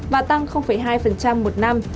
và tăng hai một năm